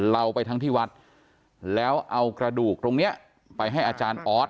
เราไปทั้งที่วัดแล้วเอากระดูกตรงนี้ไปให้อาจารย์ออส